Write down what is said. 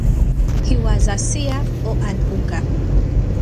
He was a Seer, or an auger.